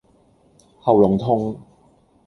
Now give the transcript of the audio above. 喉嚨痛